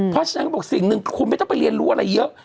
เพราะฉะนั้นเขาบอกสิ่งหนึ่งคุณไม่ต้องไปเรียนรู้อะไรเยอะ